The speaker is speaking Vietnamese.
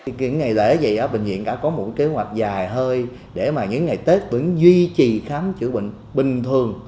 kiện ngày lễ vậy bệnh viện đã có một kế hoạch dài hơi để mà những ngày tết vẫn duy trì khám chữa bệnh bình thường